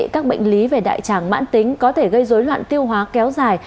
các bệnh lý về đại tràng mãn tính có thể gây dối loạn tiêu hóa kéo dài